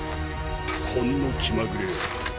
ほんの気まぐれよ。